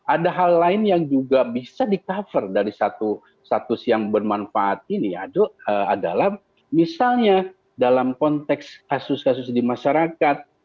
ada hal lain yang juga bisa di cover dari satu status yang bermanfaat ini adalah misalnya dalam konteks kasus kasus di masyarakat